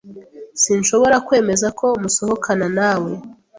Sinshobora kwemeza ko musohokana nawe.